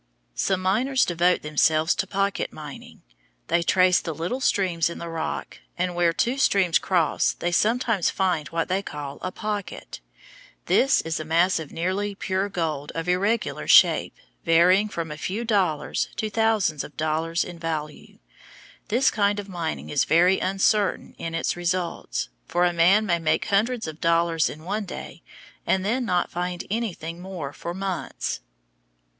Some miners devote themselves to pocket mining. They trace the little seams in the rock, and where two seams cross they sometimes find what they call a "pocket." This is a mass of nearly pure gold of irregular shape, varying from a few dollars to thousands of dollars in value. This kind of mining is very uncertain in its results, for a man may make hundreds of dollars in one day, and then not find anything more for months.